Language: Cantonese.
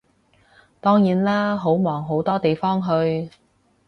當然啦，好忙好多地方去